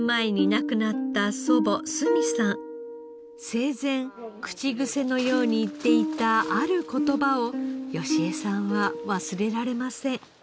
生前口癖のように言っていたある言葉を良枝さんは忘れられません。